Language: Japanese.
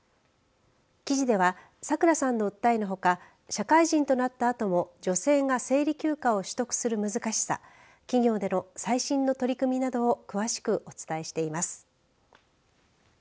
記事ではさくらさんの訴えのほか社会人となった後も女性が生理休暇を取得する難しさ企業での最新の取り組みなどを詳しくお伝えしています。